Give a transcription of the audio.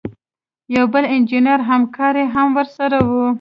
یو بل انجینر همکار یې هم ورسره و.